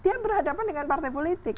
dia berhadapan dengan partai politik